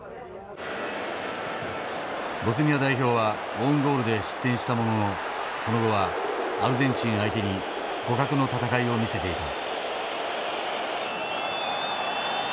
ボスニア代表はオウンゴールで失点したもののその後はアルゼンチン相手に互角の戦いを見せていた。